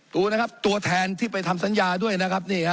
ดูนะครับตัวแทนที่ไปทำสัญญาด้วยนะครับ